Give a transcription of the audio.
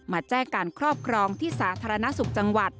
มาแจ้งการครอบครองที่สาธารณสุขจังหวัด